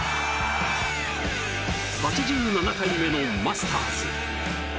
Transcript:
８７回目のマスターズ。